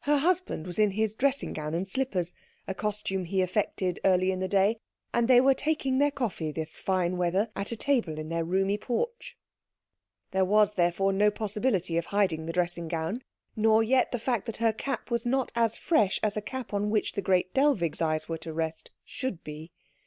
Her husband was in his dressing gown and slippers, a costume he affected early in the day, and they were taking their coffee this fine weather at a table in their roomy porch. There was, therefore, no possibility of hiding the dressing gown, nor yet the fact that her cap was not as fresh as a cap on which the great Dellwig's eyes were to rest, should be.